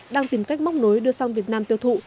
đang tìm cách móc nối đưa sang việt nam tiêu thụ